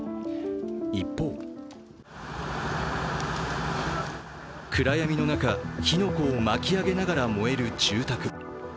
一方、暗闇の中、火の粉を巻き上げながら燃える住宅。